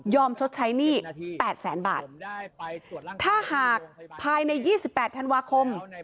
ชดใช้หนี้แปดแสนบาทถ้าหากภายในยี่สิบแปดธันวาคม